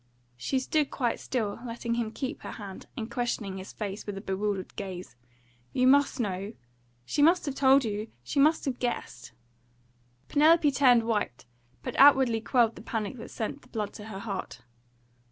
She stood quite still, letting him keep her hand, and questioning his face with a bewildered gaze. "You MUST know she must have told you she must have guessed " Penelope turned white, but outwardly quelled the panic that sent the blood to her heart.